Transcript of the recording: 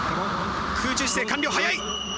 空中姿勢完了早い！